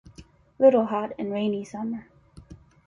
Little hot and rainy summer.